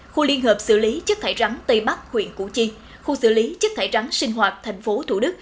khu liên hợp xử lý chất thải rắn tây bắc huyện củ chi khu xử lý chất thải rắn sinh hoạt tp thủ đức